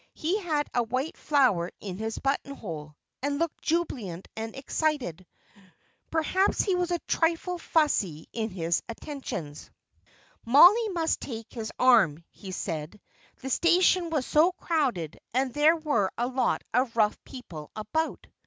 He had a white flower in his buttonhole, and looked jubilant and excited. Perhaps he was a trifle fussy in his attentions. Mollie must take his arm, he said; the station was so crowded, and there were a lot of rough people about.